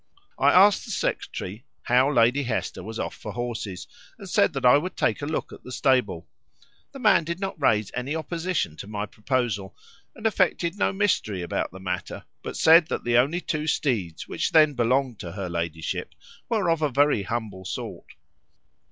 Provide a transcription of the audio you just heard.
I asked the secretary how Lady Hester was off for horses, and said that I would take a look at the stable. The man did not raise any opposition to my proposal, and affected no mystery about the matter, but said that the only two steeds which then belonged to her ladyship were of a very humble sort.